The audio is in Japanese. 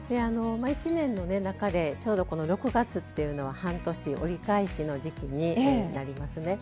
１年の中でちょうどこの６月っていうのは半年折り返しの時期になりますね。